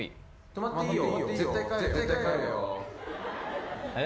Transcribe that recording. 泊まっていいよ。